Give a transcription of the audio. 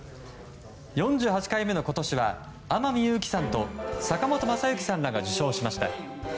４８回目の今年は天海祐希さんと坂本昌行さんらが受賞しました。